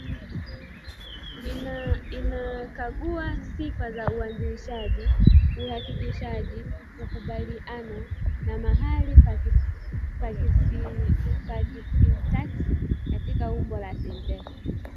Inakagua sifa za uzalishaji kuhakikisha ukubaliano na mahali pa kisintaksia katika umbo la sentensi